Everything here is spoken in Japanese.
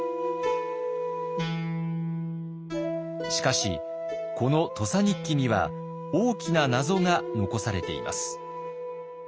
しかしこの「土佐日記」には大きな謎が残されています。